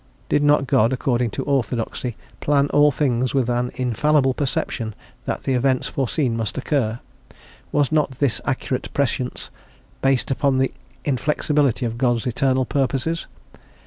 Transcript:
Did not God, according to orthodoxy, plan all things with an infallible perception that the events foreseen must occur? Was not this accurate prescience based upon the inflexibility of God's Eternal purposes?